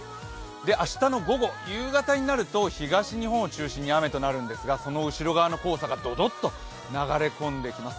明日の午後、夕方になる東日本を中心に雨となるんですが、その後ろ側の黄砂がドドッと流れ込んできます。